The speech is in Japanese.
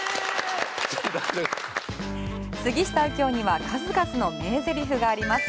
杉下右京には数々の名セリフがあります。